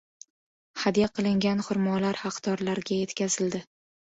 Hadya qilingan xurmolar haqdorlarga yetkazildi